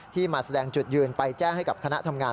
มาแสดงจุดยืนไปแจ้งให้กับคณะทำงาน